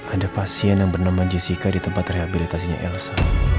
ada pasien yang bernama jessica di tempat rehabilitasinya elsa